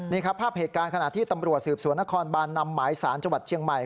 นี่ครับภาพเหตุการณ์ขณะที่ตำรวจสืบสวนนครบานนำหมายสารจังหวัดเชียงใหม่